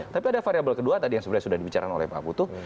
tapi ada variable kedua tadi yang sebenarnya sudah dibicarakan oleh pak putu